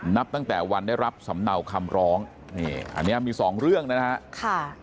นับตั้งแต่วันได้รับสำเนาคำร้องนี่อันนี้มีสองเรื่องนะฮะค่ะ